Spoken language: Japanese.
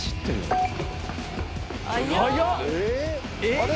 あれ？